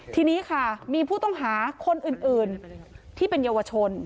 ทีนี้ค่ะมีผู้ต้องหาคนอื่นที่เป็นเยาวชน